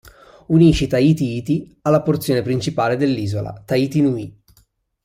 Unisce Tahiti Iti alla porzione principale dell'isola, Tahiti Nui.